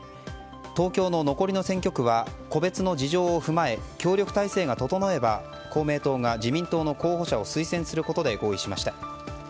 東京の残りの選挙区は個別の事情を踏まえ協力体制が整えば公明党が自民党の候補者を推薦することで合意しました。